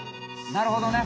なるほどね！